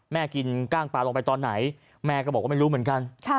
กินกล้างปลาลงไปตอนไหนแม่ก็บอกว่าไม่รู้เหมือนกัน